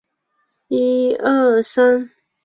此次召回事件被证实为虚惊一场。